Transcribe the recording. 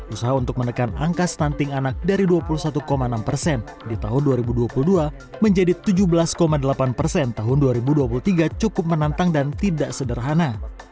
usaha untuk menekan angka stunting anak dari dua puluh satu enam persen di tahun dua ribu dua puluh dua menjadi tujuh belas delapan persen tahun dua ribu dua puluh tiga cukup menantang dan tidak sederhana